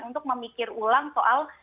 untuk memikir ulang soal